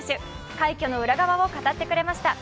快挙の裏側を語ってくれました。